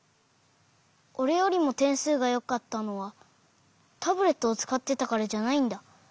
おれよりもてんすうがよかったのはタブレットをつかってたからじゃないんだ。